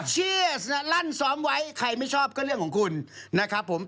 เชื่อลั่นซ้อมไว้ใครไม่ชอบก็เรื่องของคุณนะครับผม